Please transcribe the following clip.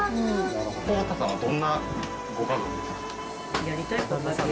幸田さんはどんなご家族ですか？